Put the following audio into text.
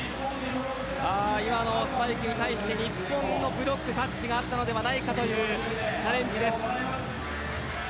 今のスパイクに対して日本のブロックタッチがあったのではないかというチャレンジです。